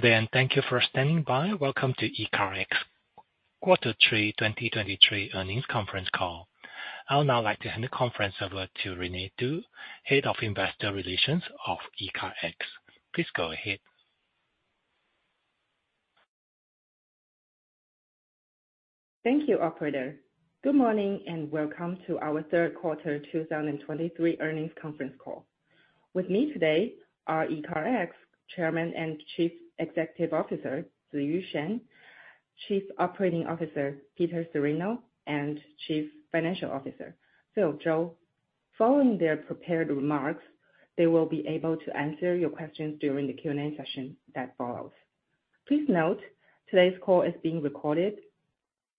Good day, and thank you for standing by. Welcome to ECARX Q3 2023 earnings conference call. I would now like to hand the conference over to Rene Du, Head of Investor Relations of ECARX. Please go ahead. Thank you, operator. Good morning, and welcome to our third quarter 2023 earnings conference call. With me today are ECARX Chairman and Chief Executive Officer, Ziyu Shen, Chief Operating Officer, Peter Cirino, and Chief Financial Officer, Phil Zhou. Following their prepared remarks, they will be able to answer your questions during the Q&A session that follows. Please note, today's call is being recorded.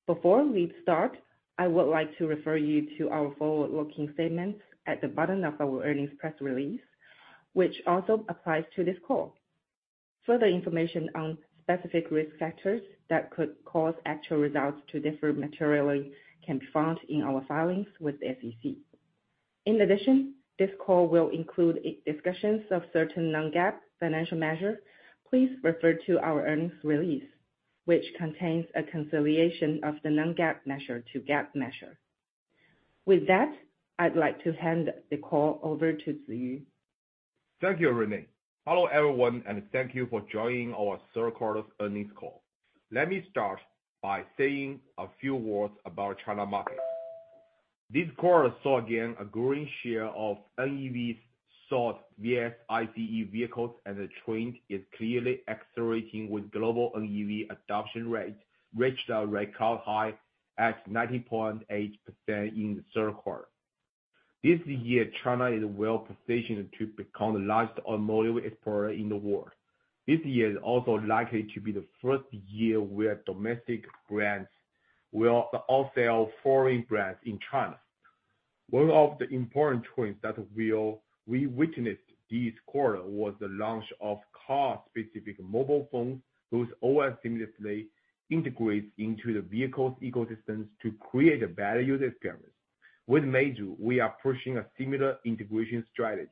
Before we start, I would like to refer you to our forward-looking statements at the bottom of our earnings press release, which also applies to this call. Further information on specific risk factors that could cause actual results to differ materially can be found in our filings with the SEC. In addition, this call will include discussions of certain non-GAAP financial measures. Please refer to our earnings release, which contains a reconciliation of the non-GAAP measure to GAAP measure. With that, I'd like to hand the call over to Ziyu. Thank you, Rene. Hello, everyone, and thank you for joining our third quarter's earnings call. Let me start by saying a few words about China market. This quarter saw again a growing share of NEVs sold versus ICE vehicles, and the trend is clearly accelerating with global NEV adoption rates reached a record high at 90.8% in the third quarter. This year, China is well positioned to become the largest automotive exporter in the world. This year is also likely to be the first year where domestic brands will outsell foreign brands in China. One of the important trends that we all witnessed this quarter was the launch of car-specific mobile phones, whose OS seamlessly integrates into the vehicle's ecosystem to create a value experience. With Meizu, we are pursuing a similar integration strategy.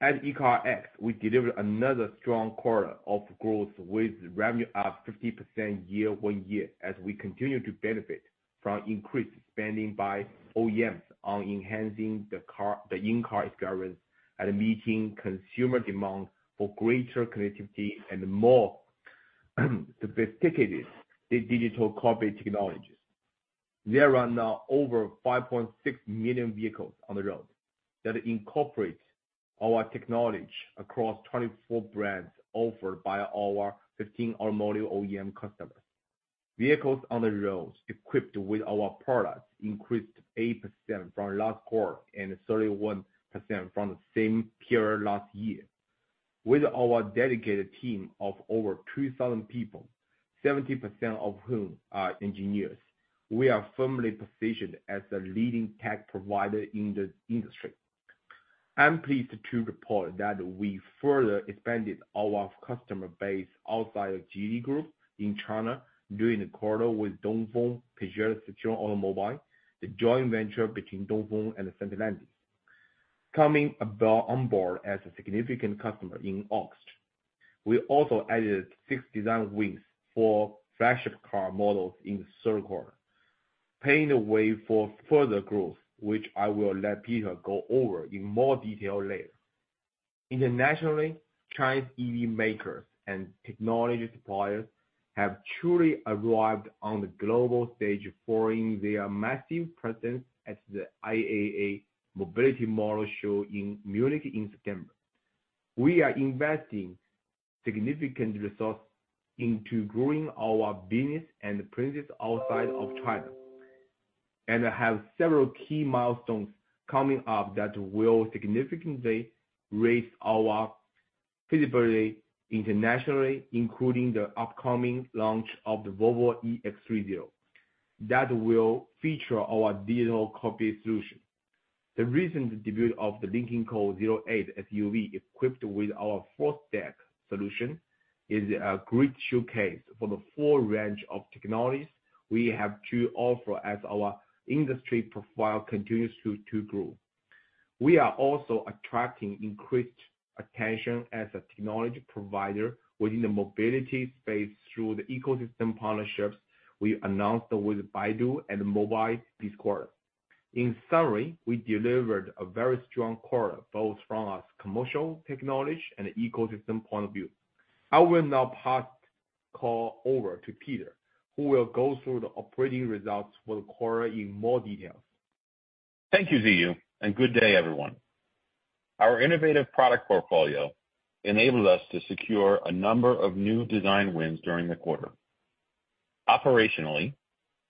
At ECARX, we delivered another strong quarter of growth with revenue up 50% year-on-year, as we continue to benefit from increased spending by OEMs on enhancing the in-car experience and meeting consumer demand for greater connectivity and more sophisticated digital cockpit technologies. There are now over 5.6 million vehicles on the road that incorporate our technology across 24 brands offered by our 15 automotive OEM customers. Vehicles on the roads equipped with our products increased 8% from last quarter and 31% from the same period last year. With our dedicated team of over 2,000 people, 70% of whom are engineers, we are firmly positioned as a leading tech provider in the industry. I'm pleased to report that we further expanded our customer base outside the Geely Group in China during the quarter with Dongfeng Peugeot-Citroën Automobile, the joint venture between Dongfeng and Stellantis, coming on board as a significant customer in August. We also added six design wins for flagship car models in the third quarter, paving the way for further growth, which I will let Peter go over in more detail later. Internationally, Chinese EV makers and technology suppliers have truly arrived on the global stage following their massive presence at the IAA Mobility show in Munich in September. We are investing significant resources into growing our business and presence outside of China, and I have several key milestones coming up that will significantly raise our visibility internationally, including the upcoming launch of the Volvo EX30. That will feature our digital cockpit solution. The recent debut of the Lynk & Co 08 SUV, equipped with our full stack solution, is a great showcase for the full range of technologies we have to offer as our industry profile continues to grow. We are also attracting increased attention as a technology provider within the mobility space through the ecosystem partnerships we announced with Baidu and Mobileye this quarter. In summary, we delivered a very strong quarter, both from a commercial, technology, and ecosystem point of view. I will now pass call over to Peter, who will go through the operating results for the quarter in more details. Thank you, Ziyu, and good day, everyone. Our innovative product portfolio enabled us to secure a number of new design wins during the quarter. Operationally,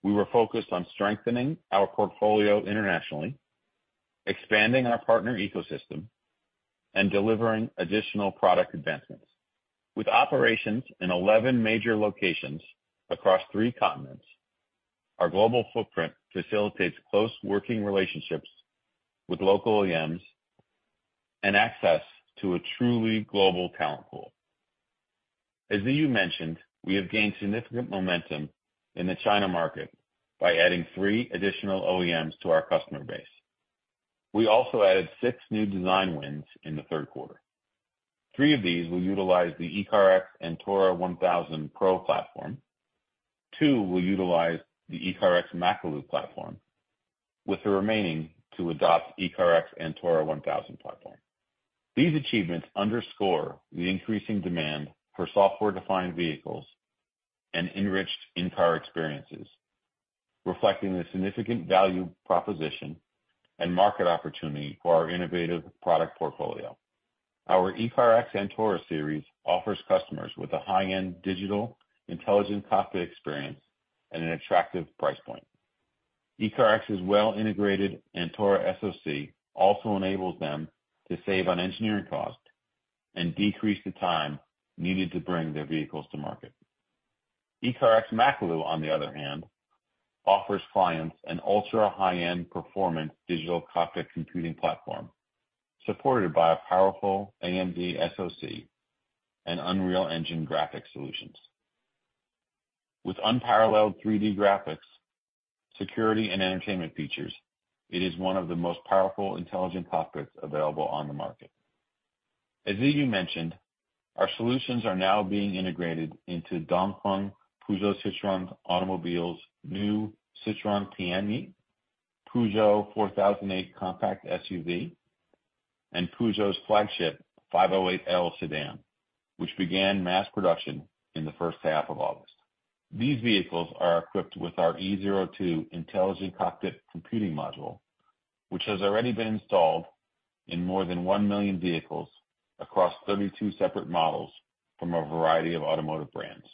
we were focused on strengthening our portfolio internationally, expanding our partner ecosystem, and delivering additional product advancements. With operations in 11 major locations across three continents, our global footprint facilitates close working relationships with local OEMs and access to a truly global talent pool. As Ziyu mentioned, we have gained significant momentum in the China market by adding three additional OEMs to our customer base. We also added six new design wins in the third quarter. Three of these will utilize the ECARX Antora 1000 Pro platform, two will utilize the ECARX Makalu platform, with the remaining to adopt ECARX Antora 1000 platform. These achievements underscore the increasing demand for software-defined vehicles and enriched in-car experiences, reflecting the significant value proposition and market opportunity for our innovative product portfolio. Our ECARX Antora series offers customers with a high-end digital intelligent cockpit experience at an attractive price point. ECARX's well-integrated Antora SoC also enables them to save on engineering cost and decrease the time needed to bring their vehicles to market. ECARX Makalu, on the other hand, offers clients an ultra high-end performance digital cockpit computing platform, supported by a powerful AMD SoC and Unreal Engine graphic solutions. With unparalleled 3D graphics, security, and entertainment features, it is one of the most powerful intelligent cockpits available on the market. As Ziyu mentioned, our solutions are now being integrated into Dongfeng Peugeot-Citroën Automobile's new Citroën Tianyi, Peugeot 4008 compact SUV, and Peugeot's flagship 508L sedan, which began mass production in the first half of August. These vehicles are equipped with our E02 intelligent cockpit computing module, which has already been installed in more than 1 million vehicles across 32 separate models from a variety of automotive brands.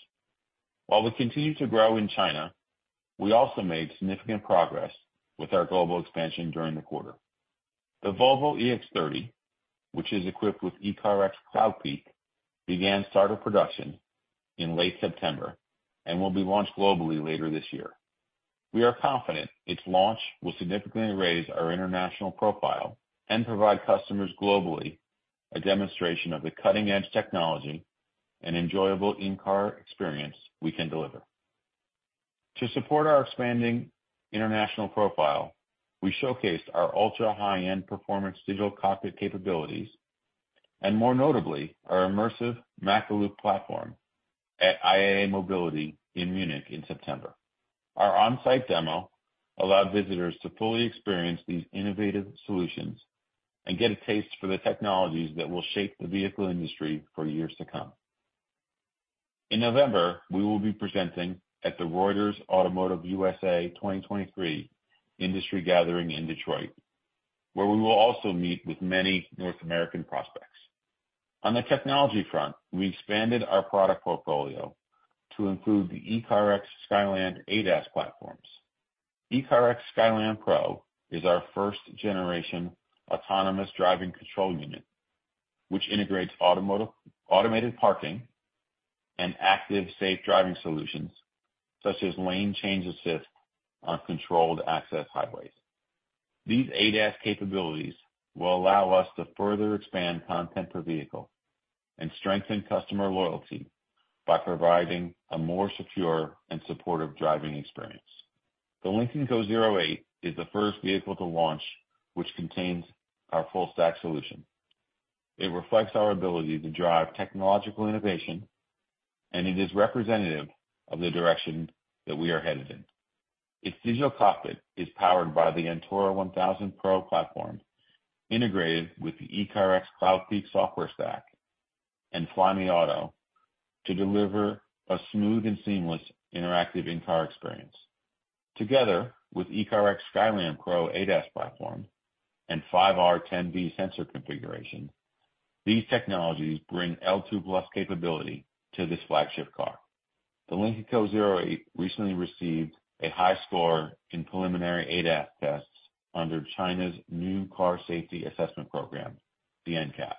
While we continue to grow in China, we also made significant progress with our global expansion during the quarter. The Volvo EX30, which is equipped with ECARX Cloudpeak, began start of production in late September and will be launched globally later this year. We are confident its launch will significantly raise our international profile and provide customers globally a demonstration of the cutting-edge technology and enjoyable in-car experience we can deliver. To support our expanding international profile, we showcased our ultra-high-end performance digital cockpit capabilities, and more notably, our immersive Makalu platform at IAA Mobility in Munich in September. Our on-site demo allowed visitors to fully experience these innovative solutions and get a taste for the technologies that will shape the vehicle industry for years to come. In November, we will be presenting at the Reuters Automotive USA 2023 industry gathering in Detroit, where we will also meet with many North American prospects. On the technology front, we expanded our product portfolio to include the ECARX Skyland ADAS platforms. ECARX Skyland Pro is our first-generation autonomous driving control unit, which integrates automated parking and active safe driving solutions, such as lane change assist on controlled access highways. These ADAS capabilities will allow us to further expand content per vehicle and strengthen customer loyalty by providing a more secure and supportive driving experience. The Lynk & Co 08 is the first vehicle to launch, which contains our full-stack solution. It reflects our ability to drive technological innovation, and it is representative of the direction that we are headed in. Its digital cockpit is powered by the Antora 1000 Pro platform, integrated with the ECARX Cloudpeak software stack, and Flyme Auto to deliver a smooth and seamless interactive in-car experience. Together with ECARX Skyland Pro ADAS platform and 5R10V sensor configuration, these technologies bring L2+ capability to this flagship car. The Lynk & Co 08 recently received a high score in preliminary ADAS tests under China's New Car Safety Assessment Program, the NCAP.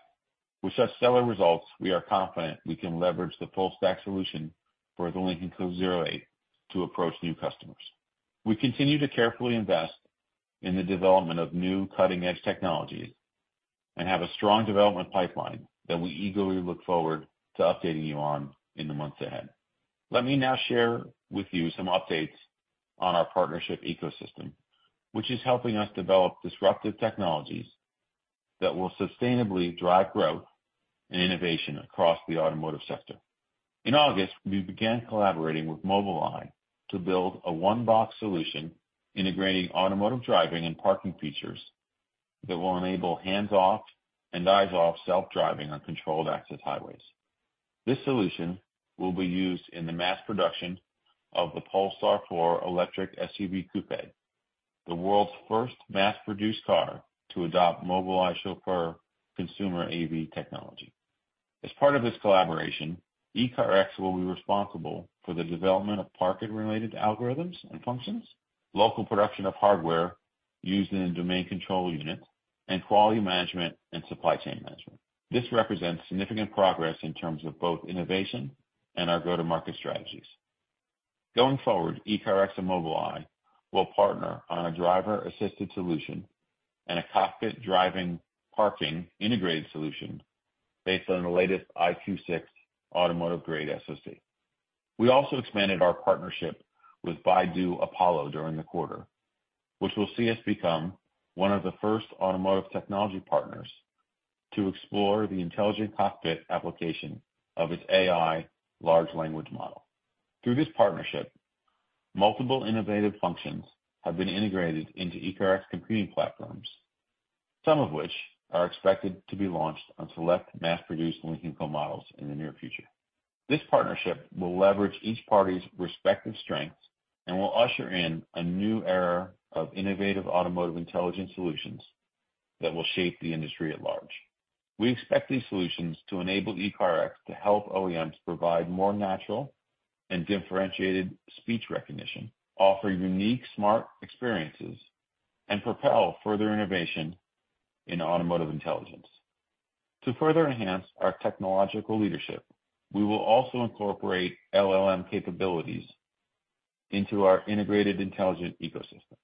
With such stellar results, we are confident we can leverage the full-stack solution for the Lynk & Co 08 to approach new customers. We continue to carefully invest in the development of new cutting-edge technologies and have a strong development pipeline that we eagerly look forward to updating you on in the months ahead. Let me now share with you some updates on our partnership ecosystem, which is helping us develop disruptive technologies that will sustainably drive growth and innovation across the automotive sector. In August, we began collaborating with Mobileye to build a one-box solution, integrating automotive driving and parking features that will enable hands-off and eyes-off self-driving on controlled access highways. This solution will be used in the mass production of the Polestar 4 electric SUV coupé, the world's first mass-produced car to adopt Mobileye Chauffeur consumer AV technology. As part of this collaboration, ECARX will be responsible for the development of parking-related algorithms and functions, local production of hardware used in domain control units, and quality management and supply chain management. This represents significant progress in terms of both innovation and our go-to-market strategies. Going forward, ECARX and Mobileye will partner on a driver-assisted solution and a cockpit driving parking integrated solution based on the latest EyeQ6 automotive-grade SoC. We also expanded our partnership with Baidu Apollo during the quarter, which will see us become one of the first automotive technology partners to explore the intelligent cockpit application of its AI large language model. Through this partnership, multiple innovative functions have been integrated into ECARX computing platforms, some of which are expected to be launched on select mass-produced Lynk & Co models in the near future. This partnership will leverage each party's respective strengths and will usher in a new era of innovative automotive intelligence solutions that will shape the industry at large. We expect these solutions to enable ECARX to help OEMs provide more natural and differentiated speech recognition, offer unique smart experiences, and propel further innovation in automotive intelligence. To further enhance our technological leadership, we will also incorporate LLM capabilities into our integrated intelligent ecosystem.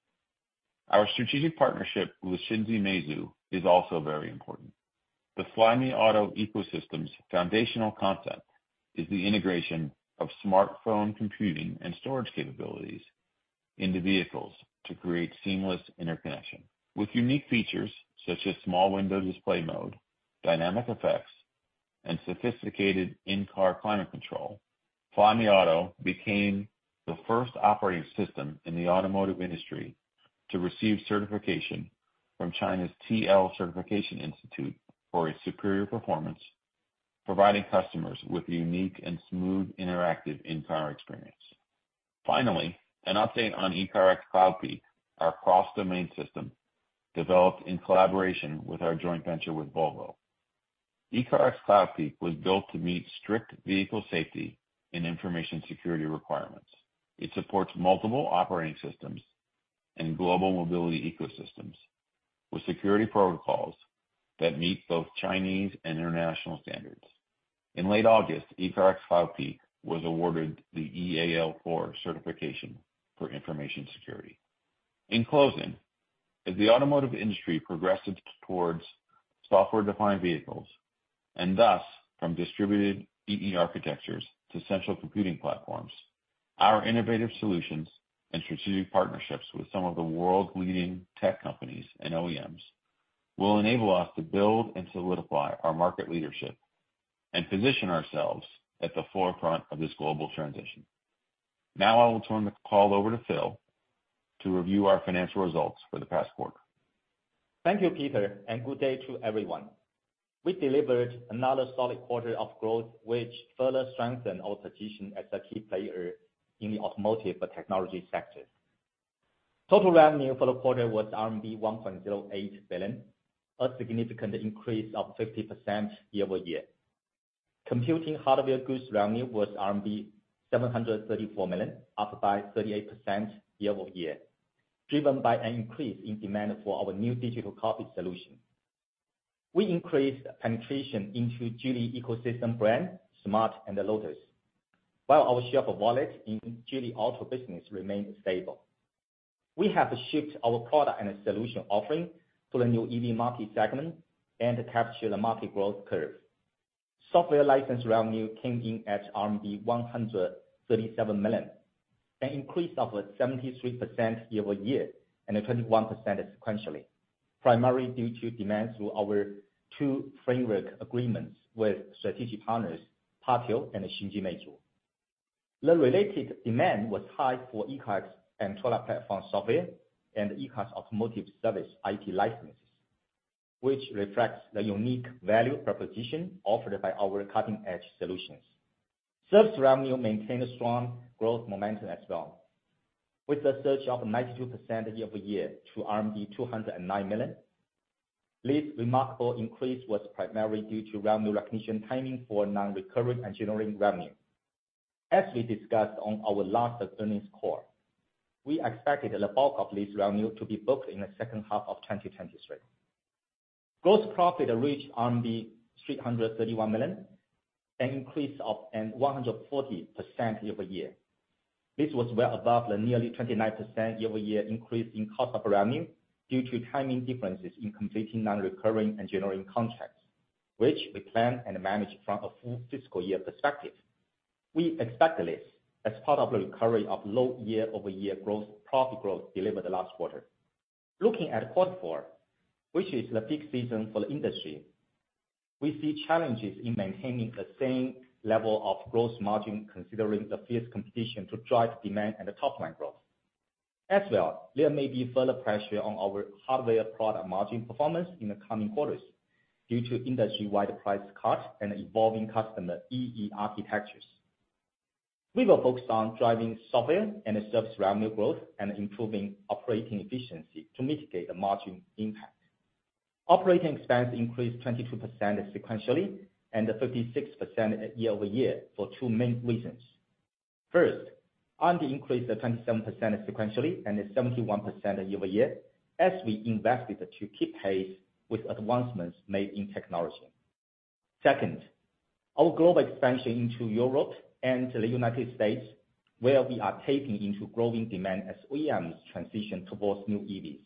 Our strategic partnership with Xingji Meizu is also very important. The Flyme Auto ecosystem's foundational concept is the integration of smartphone computing and storage capabilities into vehicles to create seamless interconnection. With unique features such as small window display mode, dynamic effects, and sophisticated in-car climate control, Flyme Auto became the first operating system in the automotive industry to receive certification from China's TL Certification Institute for its superior performance, providing customers with a unique and smooth interactive in-car experience. Finally, an update on ECARX Cloudpeak, our cross-domain system developed in collaboration with our joint venture with Volvo. ECARX Cloudpeak was built to meet strict vehicle safety and information security requirements. It supports multiple operating systems and global mobility ecosystems, with security protocols that meet both Chinese and international standards. In late August, ECARX Cloudpeak was awarded the EAL4 certification for information security. In closing, as the automotive industry progresses towards software-defined vehicles, and thus from distributed EE architectures to central computing platforms, our innovative solutions and strategic partnerships with some of the world's leading tech companies and OEMs will enable us to build and solidify our market leadership and position ourselves at the forefront of this global transition. Now I will turn the call over to Phil to review our financial results for the past quarter. Thank you, Peter, and good day to everyone. We delivered another solid quarter of growth, which further strengthened our position as a key player in the automotive technology sector. Total revenue for the quarter was RMB 1.08 billion, a significant increase of 50% year-over-year. Computing hardware goods revenue was RMB 734 million, up by 38% year-over-year, driven by an increase in demand for our new digital cockpit solution. We increased penetration into Geely ecosystem brand, Smart and Lotus, while our share of wallet in Geely Auto business remained stable. We have shipped our product and solution offering to the new EV market segment and captured the market growth curve. Software license revenue came in at RMB 137 million, an increase of 73% year-over-year, and 21% sequentially, primarily due to demand through our two framework agreements with strategic partners, Pateo and Xingji Meizu. The related demand was high for ECARX Antora platform software and ECARX Automotive Services IP licenses, which reflects the unique value proposition offered by our cutting-edge solutions. Sales revenue maintained a strong growth momentum as well, with a surge of 92% year-over-year to RMB 209 million. This remarkable increase was primarily due to revenue recognition timing for non-recurring engineering revenue. As we discussed on our last earnings call, we expected the bulk of this revenue to be booked in the second half of 2023. Gross profit reached RMB 331 million, an increase of 140% year-over-year. This was well above the nearly 29% year-over-year increase in cost of revenue due to timing differences in completing non-recurring engineering contracts, which we plan and manage from a full fiscal year perspective. We expect this as part of the recovery of low year-over-year growth, profit growth delivered last quarter. Looking at quarter four, which is the peak season for the industry, we see challenges in maintaining the same level of gross margin, considering the fierce competition to drive demand and the top-line growth. As well, there may be further pressure on our hardware product margin performance in the coming quarters due to industry-wide price cuts and evolving customer EE architectures. We will focus on driving software and service revenue growth and improving operating efficiency to mitigate the margin impact. Operating expense increased 22% sequentially and 56% year-over-year for two main reasons. First, R&D increased 27% sequentially and 71% year-over-year as we invested to keep pace with advancements made in technology. Second, our global expansion into Europe and the United States, where we are tapping into growing demand as OEMs transition towards new EVs,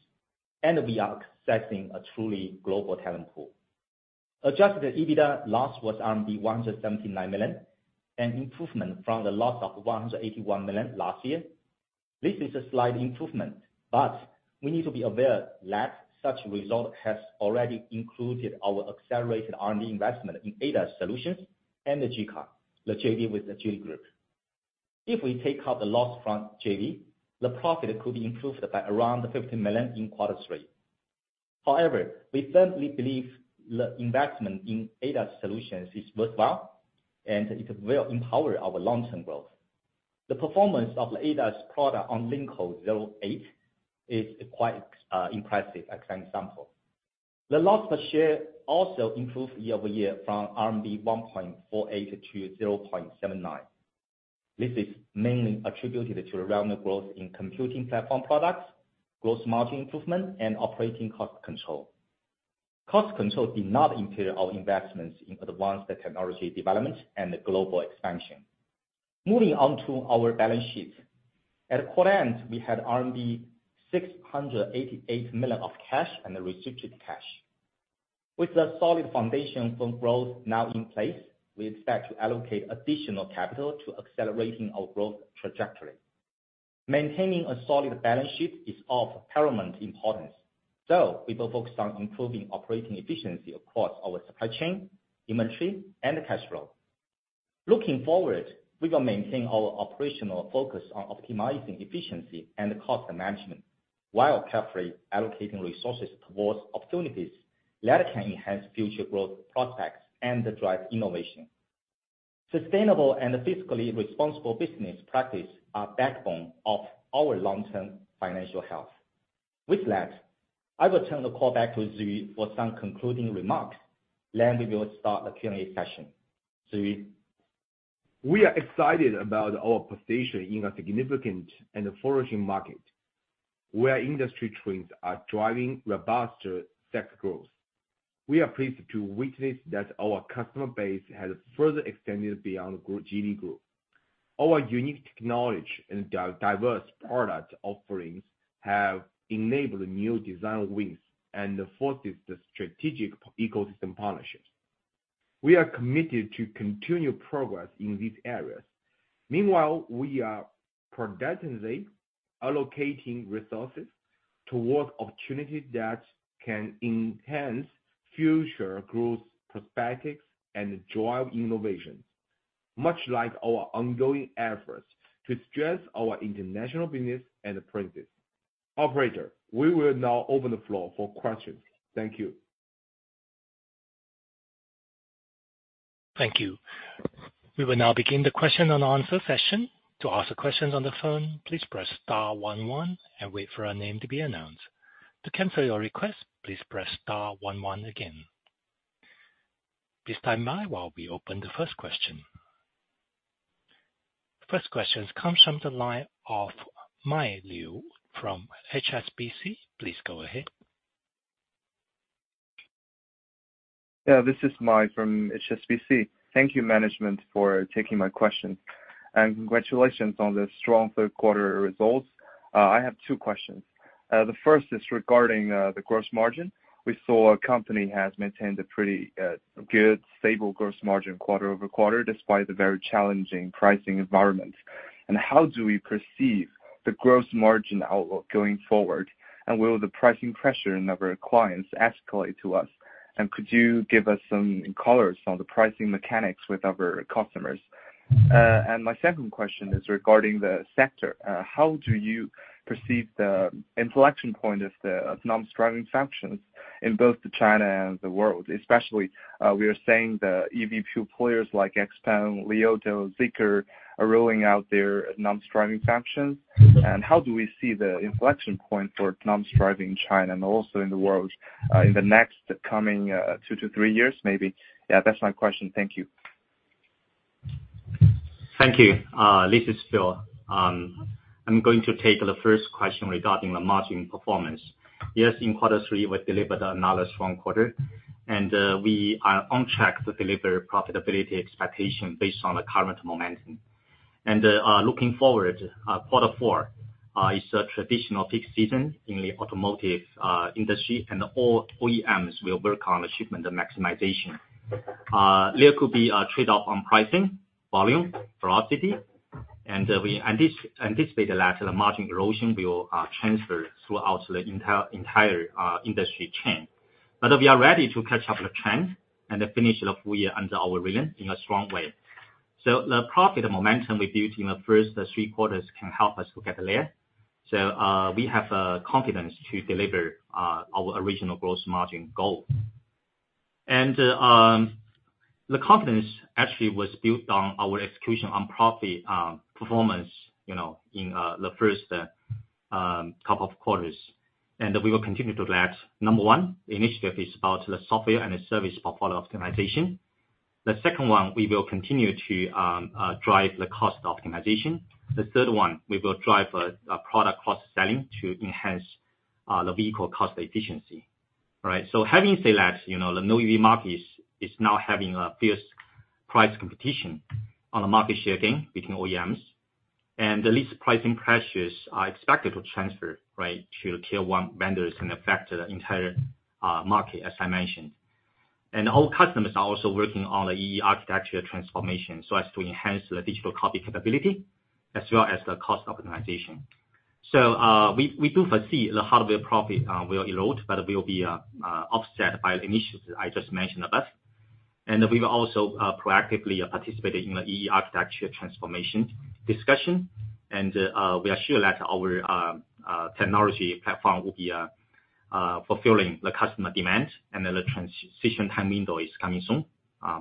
and we are accessing a truly global talent pool. Adjusted EBITDA loss was RMB 179 million, an improvement from the loss of 181 million last year. This is a slight improvement, but we need to be aware that such result has already included our accelerated R&D investment in ADAS solutions and the JICA, the JV with the Geely group. If we take out the loss from JV, the profit could be improved by around 15 million in quarter three. However, we firmly believe the investment in ADAS solutions is worthwhile, and it will empower our long-term growth. The performance of the ADAS product on Lynk & Co 08 is quite impressive, as an example. The loss per share also improved year-over-year from RMB 1.48 to 0.79. This is mainly attributed to the revenue growth in computing platform products, gross margin improvement, and operating cost control. Cost control did not impair our investments in advanced technology development and the global expansion. Moving on to our balance sheet. At quarter end, we had RMB 688 million of cash and restricted cash. With a solid foundation for growth now in place, we expect to allocate additional capital to accelerating our growth trajectory. Maintaining a solid balance sheet is of paramount importance, so we will focus on improving operating efficiency across our supply chain, inventory, and cash flow. Looking forward, we will maintain our operational focus on optimizing efficiency and cost management while carefully allocating resources towards opportunities that can enhance future growth prospects and drive innovation. Sustainable and fiscally responsible business practices are the backbone of our long-term financial health. With that, I will turn the call back to Ziyu for some concluding remarks, then we will start the Q&A session. Ziyu? We are excited about our position in a significant and flourishing market, where industry trends are driving robust tech growth. We are pleased to witness that our customer base has further extended beyond Geely Group. Our unique technology and diverse product offerings have enabled new design wins and fostered the strategic ecosystem partnerships. We are committed to continued progress in these areas. Meanwhile, we are prudently allocating resources towards opportunities that can enhance future growth perspectives and drive innovation, much like our ongoing efforts to stress our international business and presence. Operator, we will now open the floor for questions. Thank you. Thank you. We will now begin the question and answer session. To ask a question on the phone, please press star one one and wait for your name to be announced. To cancel your request, please press star one one again. Please stand by while we open the first question. First question comes from the line of Mai Liu from HSBC. Please go ahead. Yeah, this is Mai from HSBC. Thank you, management, for taking my question, and congratulations on the strong third quarter results. I have two questions. The first is regarding the gross margin. We saw a company has maintained a pretty good, stable gross margin quarter over quarter, despite the very challenging pricing environment. And how do we perceive the gross margin outlook going forward? And will the pricing pressure in other clients escalate to us? And could you give us some colors on the pricing mechanics with our customers? And my second question is regarding the sector. How do you perceive the inflection point of the non-striving functions in both the China and the world? Especially, we are saying the EV pure players like XPENG, Li Auto, Zeekr, are rolling out their non-striving functions. How do we see the inflection point for non-striving China and also in the world, in the next coming, two to three years, maybe? Yeah, that's my question. Thank you. Thank you. This is Phil. I'm going to take the first question regarding the margin performance. Yes, in quarter three, we delivered another strong quarter, and we are on track to deliver profitability expectation based on the current momentum. Looking forward, quarter four is a traditional peak season in the automotive industry, and all OEMs will work on the shipment maximization. There could be a trade-off on pricing, volume, velocity, and we anticipate that the margin erosion will transfer throughout the entire industry chain. But we are ready to catch up the trend and finish the full year under our realm in a strong way. So the profit momentum we built in the first three quarters can help us look at the layer. So, we have confidence to deliver our original gross margin goal. And, the confidence actually was built on our execution on profit performance, you know, in the first couple of quarters, and we will continue to do that. Number one, initiative is about the software and the service portfolio optimization. The second one, we will continue to drive the cost optimization. The third one, we will drive a product cross-selling to enhance the vehicle cost efficiency, right? So having said that, you know, the new EV markets is now having a fierce price competition on the market sharing between OEMs. And the lease pricing pressures are expected to transfer, right, to Tier 1 vendors can affect the entire market, as I mentioned. All customers are also working on the EE architecture transformation so as to enhance the digital cockpit capability as well as the cost optimization. So, we do foresee the hardware profit will erode, but will be offset by the initiatives I just mentioned above. We will also proactively participate in the EE architecture transformation discussion. We are sure that our technology platform will be fulfilling the customer demand, and then the transition time window is coming soon,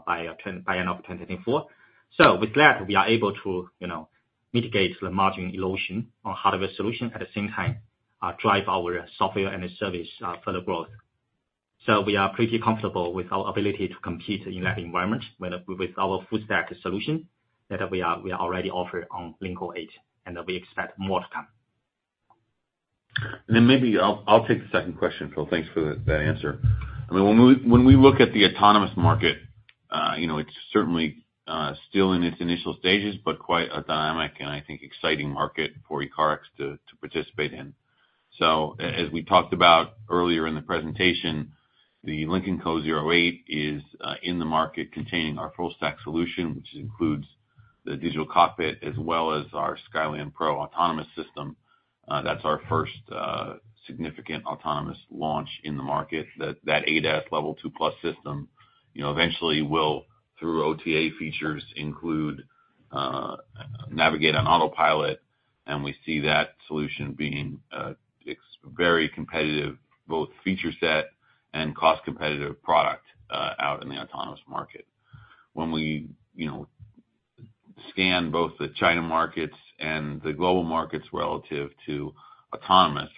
by end of 2024. So with that, we are able to, you know, mitigate the margin erosion on hardware solution, at the same time, drive our software and service further growth. So we are pretty comfortable with our ability to compete in that environment with our full stack solution that we are already offered on Lynk & Co 08, and we expect more to come. And then maybe I'll take the second question, Phil. Thanks for that answer. I mean, when we look at the autonomous market, you know, it's certainly still in its initial stages, but quite a dynamic and, I think, exciting market for ECARX to participate in. As we talked about earlier in the presentation, the Lynk & Co 08 is in the market containing our full stack solution, which includes the digital cockpit as well as our Skyland Pro autonomous system. That's our first significant autonomous launch in the market, that ADAS Level 2+ system, you know, eventually will, through OTA features, include navigate on autopilot, and we see that solution being very competitive, both feature set and cost competitive product out in the autonomous market. When we, you know, scan both the China markets and the global markets relative to autonomous,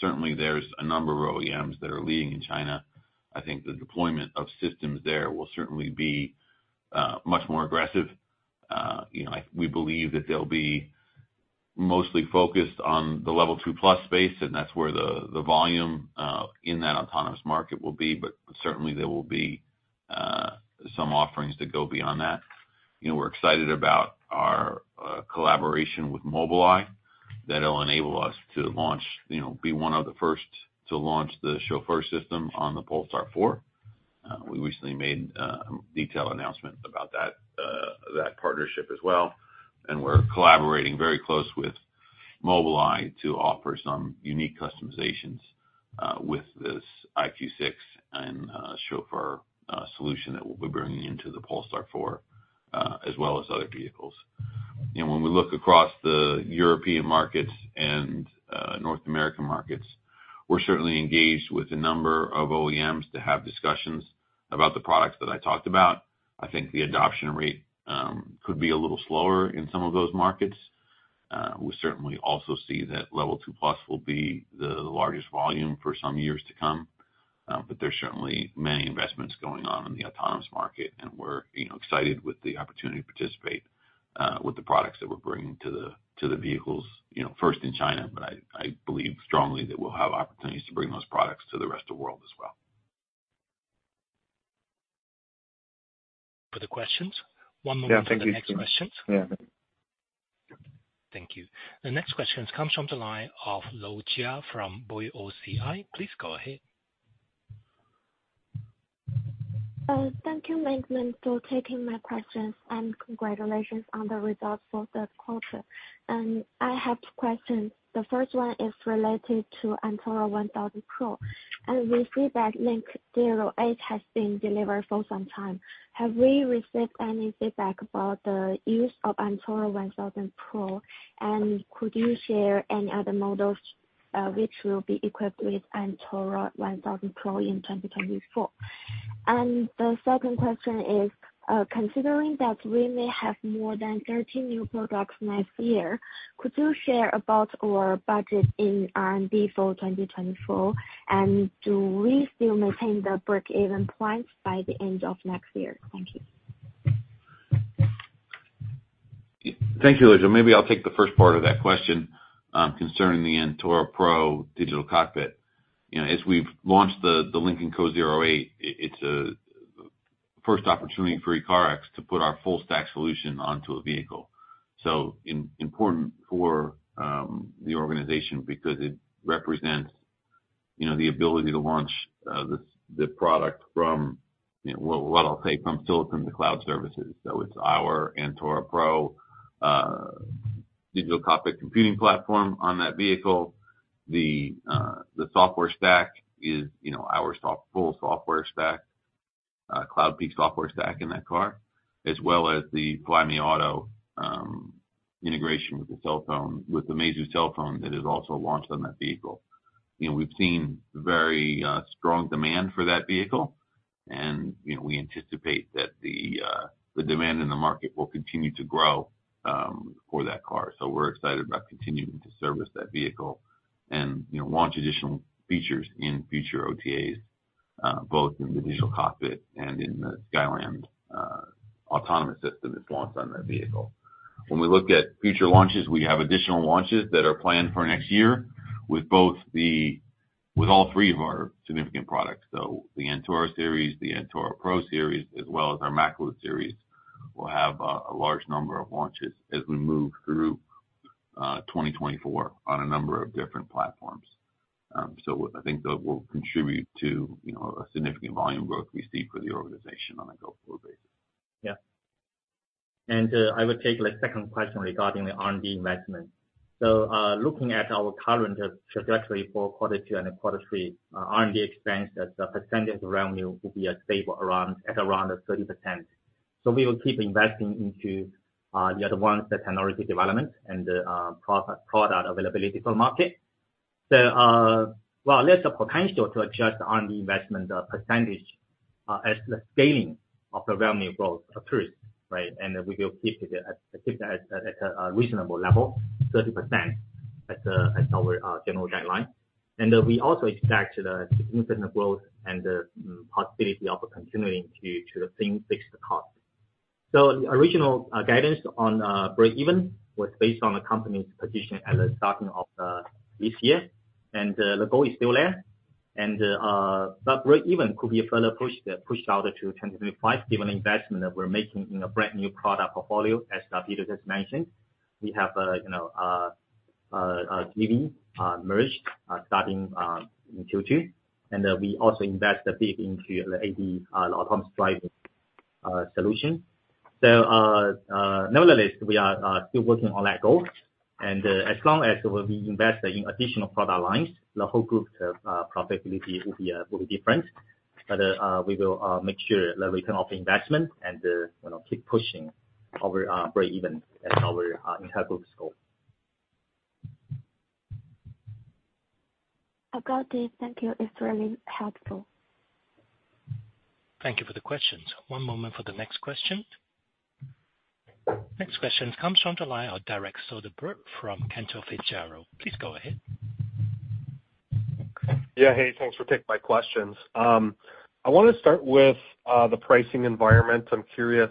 certainly there's a number of OEMs that are leading in China. I think the deployment of systems there will certainly be much more aggressive. You know, we believe that they'll be mostly focused on the Level 2+ space, and that's where the volume in that autonomous market will be. But certainly there will be some offerings to go beyond that. You know, we're excited about our collaboration with Mobileye. That'll enable us to launch, you know, be one of the first to launch the Chauffeur system on the Polestar 4. We recently made a detailed announcement about that partnership as well, and we're collaborating very close with Mobileye to offer some unique customizations with this EyeQ6 and Chauffeur solution that we'll be bringing into the Polestar 4 as well as other vehicles. You know, when we look across the European markets and North American markets, we're certainly engaged with a number of OEMs to have discussions about the products that I talked about. I think the adoption rate could be a little slower in some of those markets. We certainly also see that Level 2+ will be the largest volume for some years to come. But there's certainly many investments going on in the autonomous market, and we're, you know, excited with the opportunity to participate with the products that we're bringing to the vehicles, you know, first in China, but I believe strongly that we'll have opportunities to bring those products to the rest of the world as well. Further questions? One moment for the next questions. Yeah. Thank you. The next question comes from the line of Lou Jia from BOCI. Please go ahead. Thank you, management, for taking my questions, and congratulations on the results for the quarter. I have two questions. The first one is related to Antora 1000 Pro. We see that Lynk & Co 08 has been delivered for some time. Have we received any feedback about the use of Antora 1000 Pro? Could you share any other models which will be equipped with Antora 1000 Pro in 2024? The second question is, considering that we may have more than 13 new products next year, could you share about our budget in R&D for 2024? Do we still maintain the break-even points by the end of next year? Thank you. Thank you, Lou Jia. Maybe I'll take the first part of that question concerning the Antora Pro digital cockpit. You know, as we've launched the Lynk & Co 08, it's a first opportunity for ECARX to put our full stack solution onto a vehicle. So important for the organization because it represents, you know, the ability to launch the product from, you know, well, what I'll say, from silicon to cloud services. So it's our Antora Pro digital cockpit computing platform on that vehicle. The software stack is, you know, our full software stack, Cloudpeak software stack in that car, as well as the Flyme Auto integration with the cellphone, with the Meizu cellphone that is also launched on that vehicle. You know, we've seen very strong demand for that vehicle, and, you know, we anticipate that the demand in the market will continue to grow for that car. So we're excited about continuing to service that vehicle and, you know, launch additional features in future OTAs, both in the digital cockpit and in the Skyland autonomous system that's launched on that vehicle. When we look at future launches, we have additional launches that are planned for next year with all three of our significant products. So the Antora series, the Antora Pro series, as well as our Makalu series, will have a large number of launches as we move through 2024 on a number of different platforms. I think that will contribute to, you know, a significant volume growth we see for the organization on a go-forward basis. Yeah. I will take the second question regarding the R&D investment. Looking at our current trajectory for quarter two and quarter three, R&D expense as a percentage of revenue will be stable around 30%. So we will keep investing into the other ones, the technology development and the product availability for market. Well, there's a potential to adjust R&D investment percentage as the scaling of the revenue growth occurs, right? We will keep it at a reasonable level, 30%, as our general guideline. We also expect the significant growth and the possibility of continuing to fix the cost. So the original guidance on breakeven was based on the company's position at the starting of the this year, and the goal is still there. But breakeven could be further pushed out to 2025, given the investment that we're making in a brand-new product portfolio, as Peter just mentioned. We have you know a TV merged starting in Q2, and we also invest a bit into the AD, autonomous driving solution. So nevertheless, we are still working on that goal. And as long as we invest in additional product lines, the whole group profitability will be different. But we will make sure the return of investment and you know keep pushing our breakeven as our entire group's goal. Okay, thank you. It's very helpful. Thank you for the questions. One moment for the next question. Next question comes from the line of Derek Soderberg from Cantor Fitzgerald. Please go ahead. Yeah, hey, thanks for taking my questions. I want to start with the pricing environment. I'm curious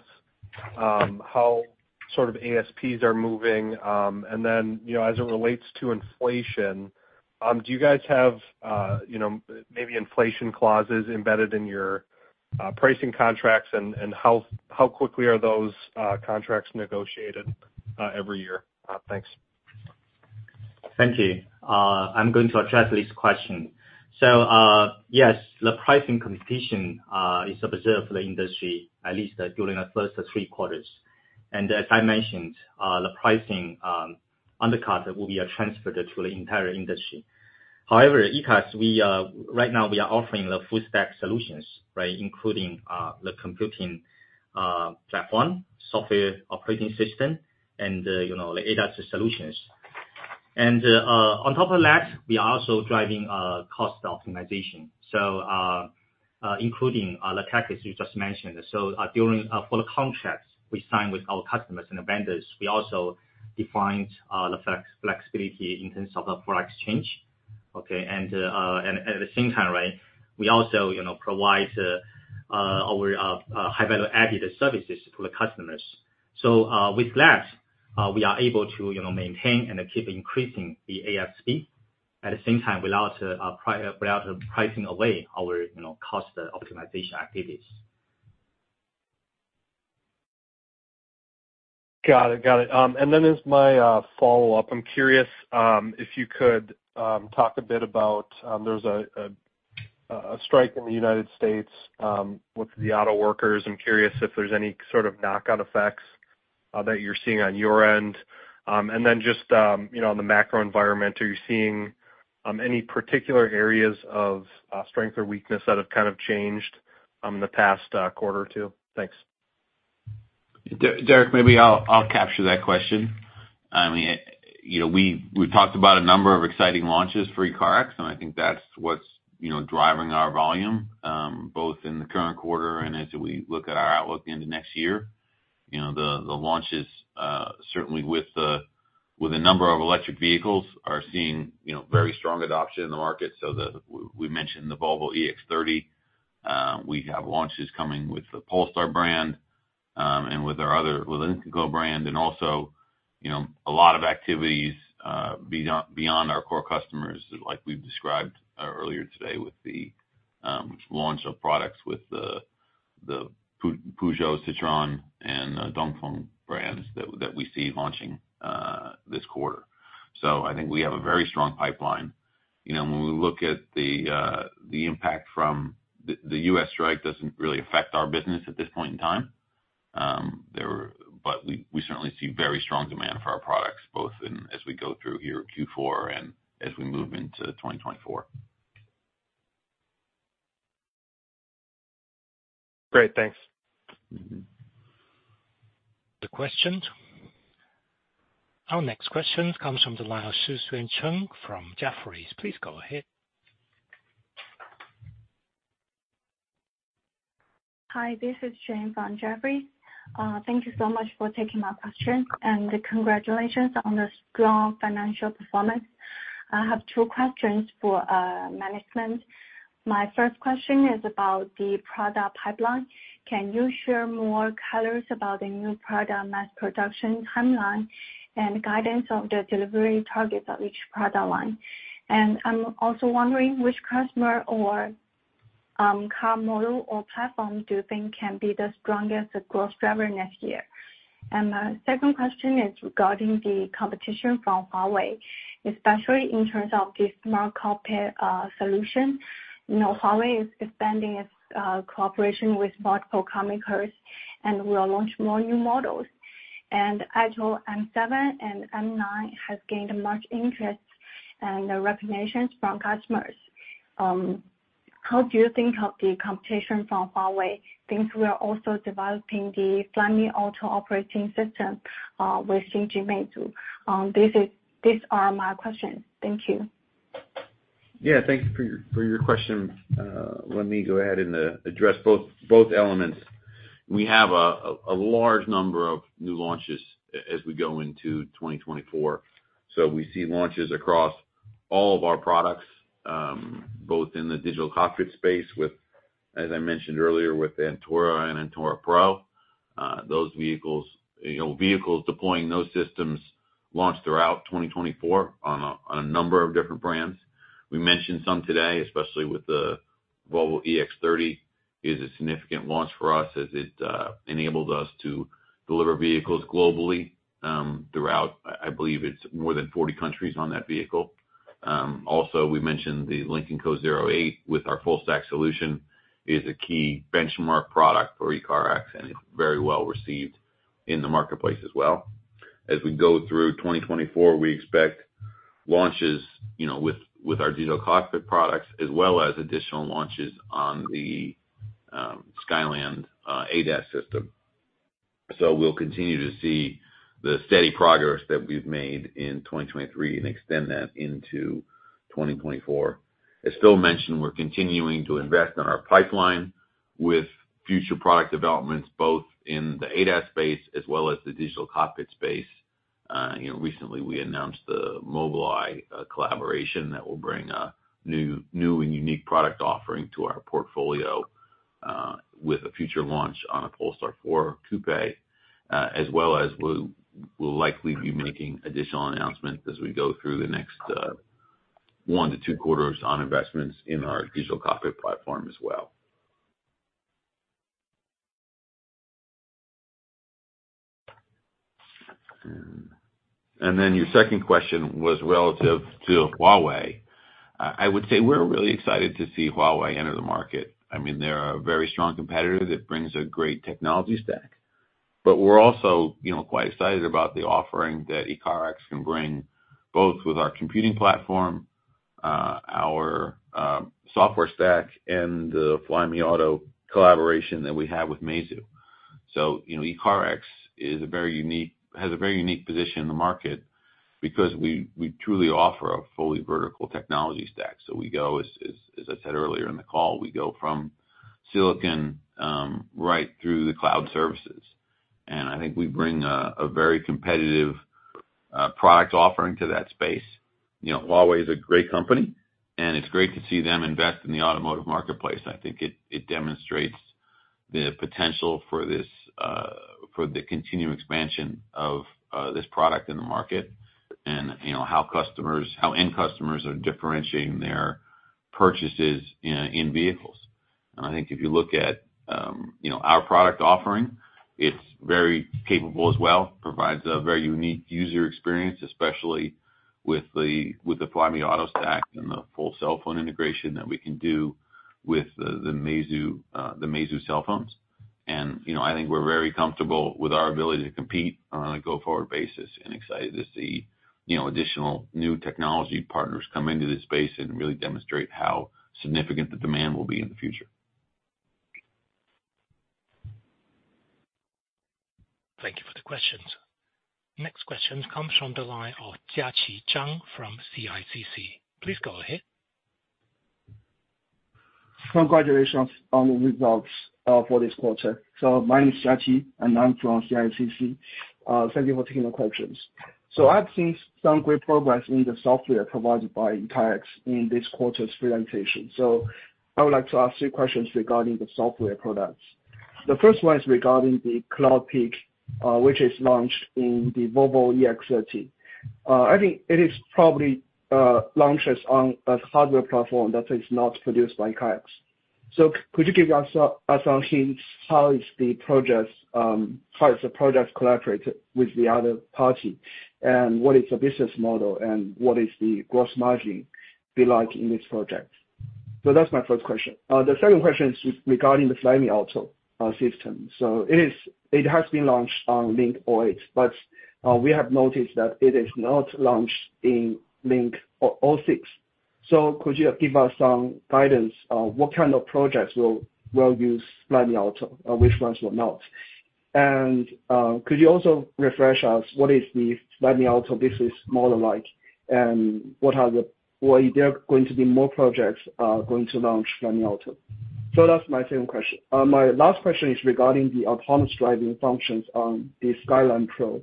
how sort of ASPs are moving, and then, you know, as it relates to inflation, do you guys have, you know, maybe inflation clauses embedded in your pricing contracts? And how quickly are those contracts negotiated every year? Thanks. Thank you. I'm going to address this question. So, yes, the pricing competition is observed for the industry, at least during the first three quarters. And as I mentioned, the pricing undercut will be transferred to the entire industry. However, at ECARX, right now we are offering the full stack solutions, right, including the computing platform, software operating system, and you know, the ADAS solutions. And on top of that, we are also driving cost optimization, so including the costs you just mentioned. So, for the contracts we sign with our customers and vendors, we also define the flexibility in terms of the product exchange, okay? And at the same time, right, we also you know provide our high value-added services to the customers. With that, we are able to, you know, maintain and keep increasing the ASP, at the same time, without pricing away our, you know, cost optimization activities. Got it. Got it. And then as my follow-up, I'm curious if you could talk a bit about there's a strike in the United States with the auto workers. I'm curious if there's any sort of knockout effects that you're seeing on your end. And then just, you know, on the macro environment, are you seeing any particular areas of strength or weakness that have kind of changed in the past quarter or two? Thanks. Derek, maybe I'll capture that question. I mean, you know, we talked about a number of exciting launches for ECARX, and I think that's what's driving our volume both in the current quarter and as we look at our outlook into next year. You know, the launches certainly with a number of electric vehicles are seeing very strong adoption in the market. So we mentioned the Volvo EX30. We have launches coming with the Polestar brand and with our other, with the Lynk & Co brand, and also a lot of activities beyond our core customers, like we've described earlier today with the launch of products with the Peugeot-Citroën and Dongfeng brands that we see launching this quarter. So I think we have a very strong pipeline. You know, when we look at the impact from the U.S. strike, it doesn't really affect our business at this point in time. But we certainly see very strong demand for our products, both in, as we go through here, Q4, and as we move into 2024. Great. Thanks. Mm-hmm. The questions. Our next question comes from the line of Shujin Chen from Jefferies. Please go ahead. Hi, this is Jane from Jefferies. Thank you so much for taking my question, and congratulations on the strong financial performance. I have two questions for management. My first question is about the product pipeline. Can you share more colors about the new product mass production timeline and guidance of the delivery targets of each product line? And I'm also wondering which customer or car model or platform do you think can be the strongest growth driver next year? And the second question is regarding the competition from Huawei, especially in terms of the smart cockpit solution. You know, Huawei is expanding its cooperation with multiple car makers and will launch more new models. And AITO M7 and M9 has gained much interest and recognitions from customers. How do you think of the competition from Huawei, since we are also developing the Flyme Auto operating system with Xingji Meizu? These are my questions. Thank you. Yeah, thank you for your question. Let me go ahead and address both elements. We have a large number of new launches as we go into 2024. So we see launches across all of our products, both in the digital cockpit space with, as I mentioned earlier, with Antora and Antora Pro. Those vehicles, you know, vehicles deploying those systems launch throughout 2024 on a number of different brands. We mentioned some today, especially with the Volvo EX30, is a significant launch for us as it enabled us to deliver vehicles globally, throughout, I believe it's more than 40 countries on that vehicle. Also, we mentioned the Lynk & Co 08 with our full stack solution, is a key benchmark product for ECARX and very well received in the marketplace as well. As we go through 2024, we expect launches, you know, with, with our digital cockpit products, as well as additional launches on the Skyland ADAS system. So we'll continue to see the steady progress that we've made in 2023 and extend that into 2024. As Phil mentioned, we're continuing to invest in our pipeline with future product developments, both in the ADAS space as well as the digital cockpit space. You know, recently we announced the Mobileye collaboration that will bring a new, new and unique product offering to our portfolio with a future launch on a Polestar 4 coupé. As well as we'll likely be making additional announcements as we go through the next one to two quarters on investments in our digital cockpit platform as well. Then your second question was relative to Huawei. I would say we're really excited to see Huawei enter the market. I mean, they're a very strong competitor that brings a great technology stack. But we're also, you know, quite excited about the offering that ECARX can bring, both with our computing platform, our software stack, and the Flyme Auto collaboration that we have with Meizu. So, you know, ECARX has a very unique position in the market because we truly offer a fully vertical technology stack. So we go as I said earlier in the call, we go from silicon right through the cloud services. And I think we bring a very competitive product offering to that space. You know, Huawei is a great company, and it's great to see them invest in the automotive marketplace. I think it demonstrates the potential for this, for the continued expansion of this product in the market, and you know, how customers, how end customers are differentiating their purchases in vehicles. I think if you look at, you know, our product offering, it's very capable as well, provides a very unique user experience, especially with the Flyme Auto stack and the full cell phone integration that we can do with the Meizu cell phones. You know, I think we're very comfortable with our ability to compete on a go-forward basis and excited to see, you know, additional new technology partners come into this space and really demonstrate how significant the demand will be in the future. Thank you for the questions. Next question comes from the line of Jiaqi Zhang from CICC. Please go ahead. Congratulations on the results for this quarter. My name is Jiaqi, and I'm from CICC. Thank you for taking my questions. I've seen some great progress in the software provided by ECARX in this quarter's presentation. I would like to ask three questions regarding the software products. The first one is regarding the Cloudpeak, which is launched in the Volvo EX30. I think it is probably, launches on a hardware platform that is not produced by ECARX. Could you give us some hints, how is the projects collaborated with the other party? And what is the business model, and what is the gross margin be like in this project? That's my first question. The second question is regarding the Flyme Auto system. It has been launched on Lynk 08, but we have noticed that it is not launched in Lynk 06. So could you give us some guidance on what kind of projects will use Flyme Auto, which ones will not? And could you also refresh us, what is the Flyme Auto business model like, and what are the or if there are going to be more projects going to launch Flyme Auto? So that's my second question. My last question is regarding the autonomous driving functions on the Skyland Pro.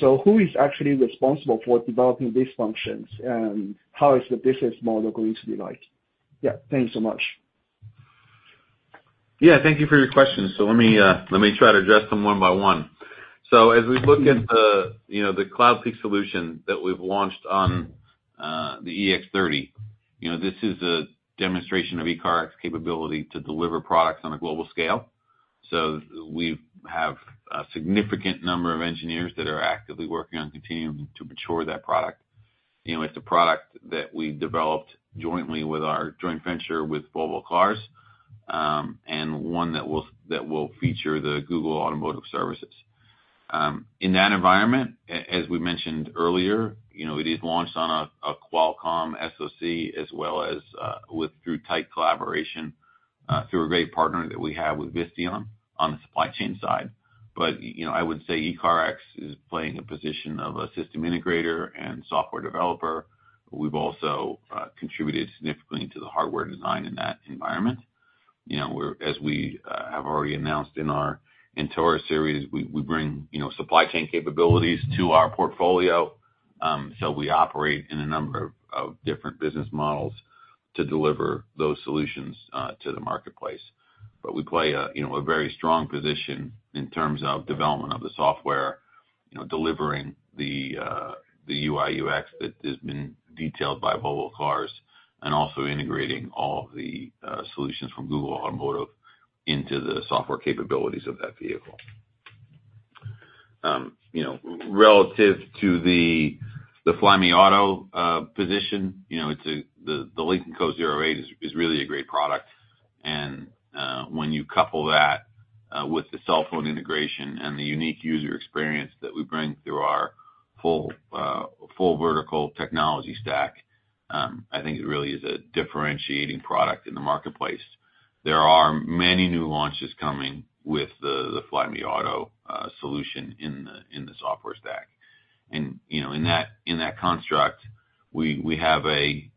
So who is actually responsible for developing these functions, and how is the business model going to be like? Yeah, thank you so much. Yeah, thank you for your questions. So let me, let me try to address them one by one. So as we look at the, you know, the Cloudpeak solution that we've launched on, the EX30, you know, this is a demonstration of ECARX's capability to deliver products on a global scale. So we've have a significant number of engineers that are actively working on the team to mature that product. You know, it's a product that we developed jointly with our joint venture with Volvo Cars, and one that will, that will feature the Google Automotive Services. In that environment, as we mentioned earlier, you know, it is launched on a, a Qualcomm SoC as well as, with through tight collaboration, through a great partner that we have with Visteon on the supply chain side. But, you know, I would say ECARX is playing a position of a system integrator and software developer. We've also contributed significantly to the hardware design in that environment. You know, we're as we have already announced in our series, we bring, you know, supply chain capabilities to our portfolio. So we operate in a number of different business models to deliver those solutions to the marketplace. But we play a, you know, a very strong position in terms of development of the software, you know, delivering the UI/UX that has been detailed by Volvo Cars, and also integrating all of the solutions from Google Automotive into the software capabilities of that vehicle. You know, relative to the Flyme Auto position, you know, it's the Lynk & Co 08 is really a great product. And when you couple that with the cell phone integration and the unique user experience that we bring through our full vertical technology stack, I think it really is a differentiating product in the marketplace. There are many new launches coming with the Flyme Auto solution in the software stack. And, you know, in that construct, we have a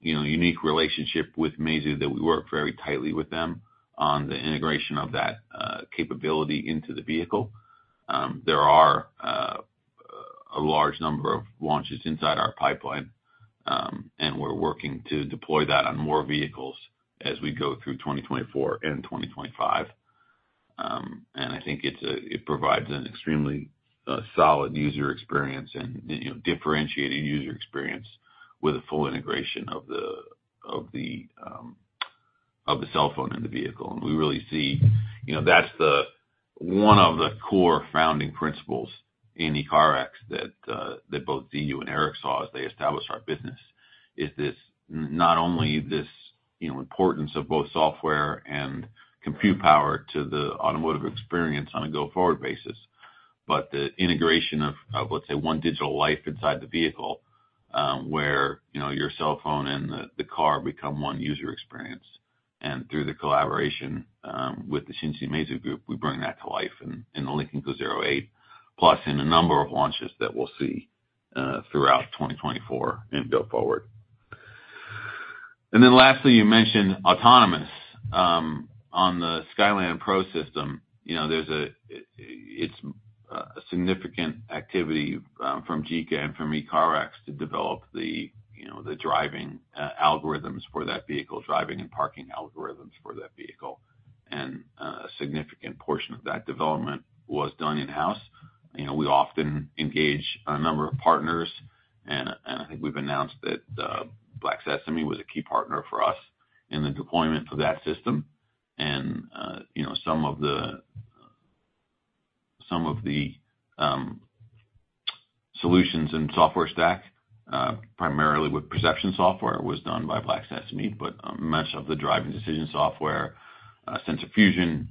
unique relationship with Meizu that we work very tightly with them on the integration of that capability into the vehicle. There are a large number of launches inside our pipeline, and we're working to deploy that on more vehicles as we go through 2024 and 2025. I think it provides an extremely solid user experience and, you know, differentiating user experience with a full integration of the cell phone in the vehicle. We really see, you know, that's one of the core founding principles in ECARX that both Ziyu and Eric saw as they established our business, is this, not only this, you know, importance of both software and compute power to the automotive experience on a go-forward basis, but the integration of, let's say, one digital life inside the vehicle, where, you know, your cell phone and the car become one user experience. And through the collaboration with the XINGJI MEIZU GROUP, we bring that to life in the Lynk & Co 08, plus in a number of launches that we'll see throughout 2024 and go forward. And then lastly, you mentioned autonomous. On the Skyland Pro system, you know, there's it, it's a significant activity from JICA and from ECARX to develop the, you know, the driving algorithms for that vehicle, driving and parking algorithms for that vehicle. And a significant portion of that development was done in-house. You know, we often engage a number of partners, and I think we've announced that Black Sesame was a key partner for us in the deployment of that system. And, you know, some of the solutions and software stack, primarily with perception software, was done by Black Sesame, but much of the driving decision software, sensor fusion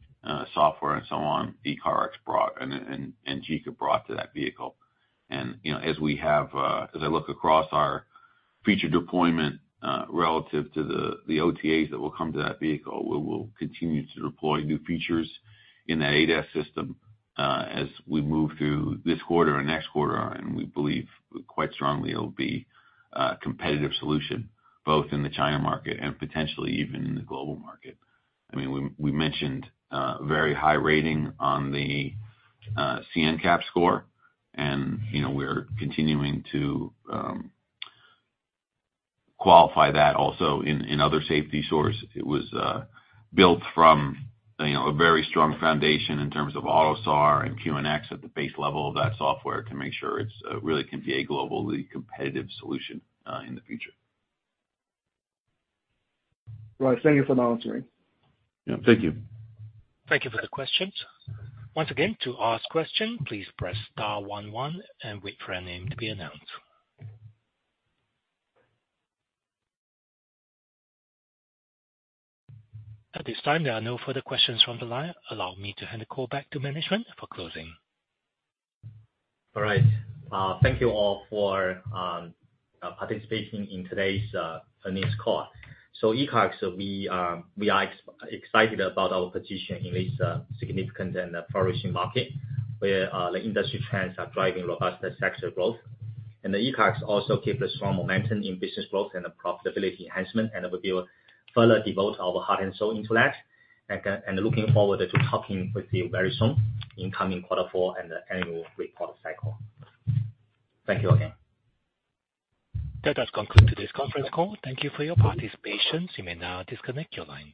software and so on, ECARX brought and JICA brought to that vehicle. And, you know, as I look across our feature deployment, relative to the OTAs that will come to that vehicle, we will continue to deploy new features in that ADAS system, as we move through this quarter and next quarter. And we believe quite strongly it'll be a competitive solution, both in the China market and potentially even in the global market. I mean, we mentioned very high rating on the C-NCAP score, and, you know, we're continuing to qualify that also in other safety scores. It was built from, you know, a very strong foundation in terms of AUTOSAR and QNX at the base level of that software to make sure it's really can be a globally competitive solution in the future. Right. Thank you for answering. Yeah, thank you. Thank you for the questions. Once again, to ask question, please press star one one and wait for your name to be announced. At this time, there are no further questions from the line. Allow me to hand the call back to management for closing. All right. Thank you all for participating in today's earnings call. So ECARX, we are excited about our position in this significant and flourishing market, where the industry trends are driving robust sector growth. The ECARX also keep a strong momentum in business growth and the profitability enhancement, and we will further devote our heart and soul into that, and looking forward to talking with you very soon in coming quarter four and the annual report cycle. Thank you again. That does conclude today's conference call. Thank you for your participation. You may now disconnect your line.